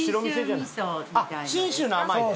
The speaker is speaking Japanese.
信州の甘いね。